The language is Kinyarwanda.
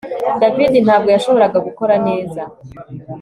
David ntabwo yashoboraga gukora neza